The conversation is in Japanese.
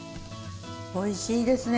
おいしいですね！